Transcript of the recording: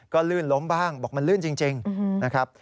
ก็ลื่นล้มบ้างบอกมันลื่นจริงนะครับ